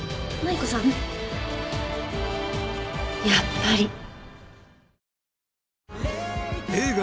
やっぱり。